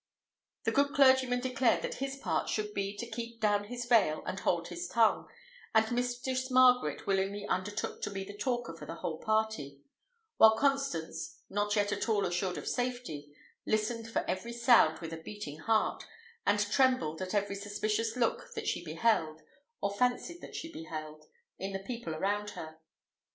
The good clergyman declared that his part should be to keep down his veil and hold his tongue, and Mistress Margaret willingly undertook to be the talker for the whole party, while Constance, not yet at all assured of safety, listened for every sound with a beating heart, and trembled at every suspicious look that she beheld, or fancied that she beheld, in the people around her.